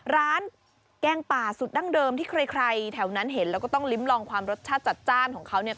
แกงป่าสุดดั้งเดิมที่ใครแถวนั้นเห็นแล้วก็ต้องลิ้มลองความรสชาติจัดจ้านของเขาเนี่ย